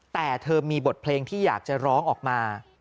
แต่เธอมีบทเพลงที่อยากจะร้องออกมา